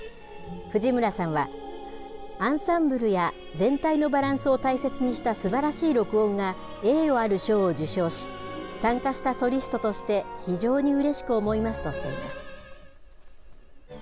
藤村さんは、アンサンブルや全体のバランスを大切にしたすばらしい録音が栄誉ある賞を受賞し、参加したソリストとして、非常にうれしく思いますとしています。